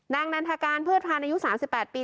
นางนันทการพืชพาณอายุ๓๘ปี